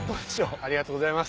ありがとうございます。